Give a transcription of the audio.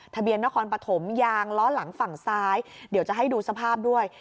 ทะเบียนนครปฐมยางล้อหลังฝั่งซ้ายเดี๋ยวจะให้ดูสภาพด้วย